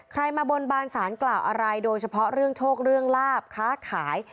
มาบนบานสารกล่าวอะไรโดยเฉพาะเรื่องโชคเรื่องลาบค้าขาย